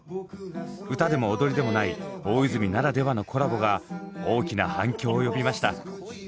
歌でも踊りでもない大泉ならではのコラボが大きな反響を呼びました。